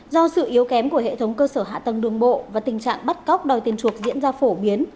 do sự yếu kém của hệ thống cơ sở hạ tầng đường bộ và tình trạng bắt cóc đòi tiền chuộc diễn ra phổ biến